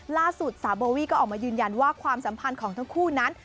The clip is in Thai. ล่าสุดสาวโบวี่ก็ออกมายืนยันว่าความสัมพันธ์ของทั้งคู่นั้น